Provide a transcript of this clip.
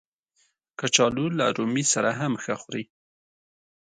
کچالو له رومي سره هم ښه خوري